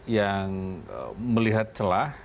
yang melihat celah